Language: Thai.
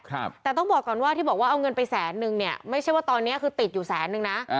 ครับแต่ต้องบอกก่อนว่าที่บอกว่าเอาเงินไปแสนนึงเนี่ยไม่ใช่ว่าตอนเนี้ยคือติดอยู่แสนนึงนะ